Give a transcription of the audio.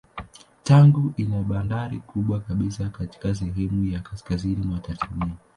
Tanga ina bandari kubwa kabisa katika sehemu ya kaskazini mwa Tanzania.